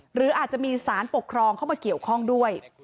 หรืออาจจะมีสารปกครองเข้ามาเกี่ยวข้องด้วย